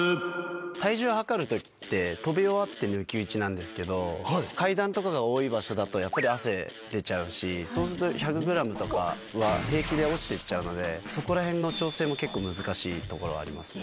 体重量るときって、飛び終わって抜き打ちなんですけど、階段とかが多い場所だと、やっぱり汗出ちゃうし、そうすると、１００グラムとかは平気で落ちていっちゃうので、そこらへんの調整も結構難しいところありますね。